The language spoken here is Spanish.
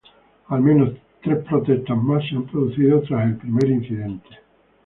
Al menos tres protestas más se han producido tras el primer incidente.